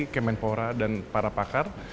kemenpora dan para pakar